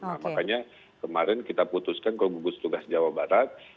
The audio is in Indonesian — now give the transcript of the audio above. nah makanya kemarin kita putuskan ke gugus tugas jawa barat